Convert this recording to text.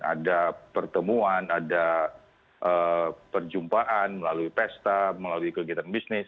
ada pertemuan ada perjumpaan melalui pesta melalui kegiatan bisnis